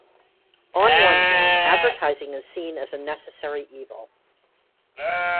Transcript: On one hand, advertising is seen as a necessary evil.